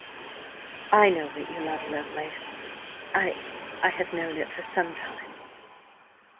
"I know that you love Lovelace. I–I have known it for some time."